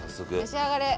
召し上がれ！